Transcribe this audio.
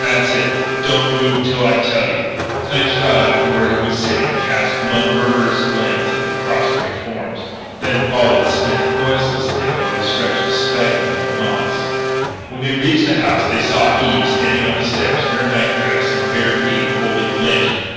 That's it. Don't move till I tell you to." Clinch got up from where he was sitting, cast one murderous glance at the prostrate forms, then followed Smith, noiselessly, over the stretch of sphagnum moss. When they reached the house they saw Eve standing on the steps in her night dress and bare feet, holding a lantern.